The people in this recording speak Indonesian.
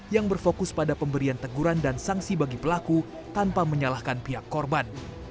yang berfokus pada pemberian teguran dan sanksi bagi pelaku tanpa menyalahkan pihak korban